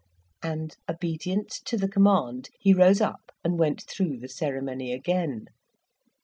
and, obedient to the command, he rose up, and went through the ceremony again.